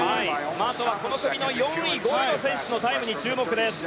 あとはこの組の４位、５位のタイムに注目です。